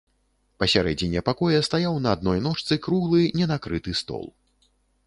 Пасярэдзіне пакоя стаяў на адной ножцы круглы ненакрыты стол.